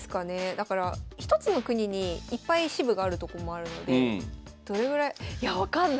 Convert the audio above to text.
だから一つの国にいっぱい支部があるとこもあるのでどれぐらいいや分かんないどれぐらいなんでしょう。